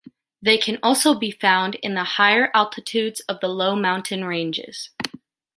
They can also be found in the higher altitudes of the low mountain ranges.